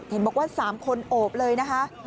เห็นบอกว่า๓คนโอบเลยนะคะ